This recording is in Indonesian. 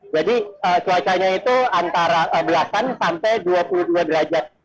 jadi cuacanya itu antara belasan sampai dua puluh dua derajat